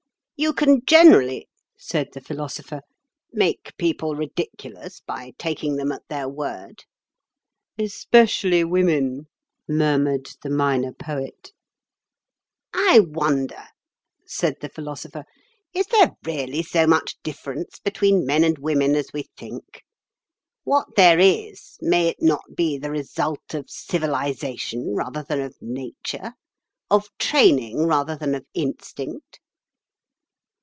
"You can generally," said the Philosopher, "make people ridiculous by taking them at their word." "Especially women," murmured the Minor Poet. "I wonder," said the Philosopher, "is there really so much difference between men and women as we think? What there is, may it not be the result of Civilisation rather than of Nature, of training rather than of instinct?"